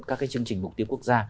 các cái chương trình mục tiêu quốc gia